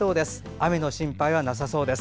雨の心配はなさそうです。